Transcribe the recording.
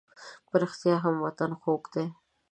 په رښتیا هم وطن خوږ دی.